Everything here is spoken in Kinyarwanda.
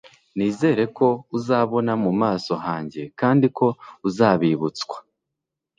nizere ko uzabona mu maso hanjye kandi ko uzabibutswa